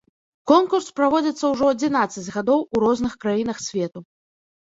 Конкурс праводзіцца ўжо адзінаццаць гадоў у розных краінах свету.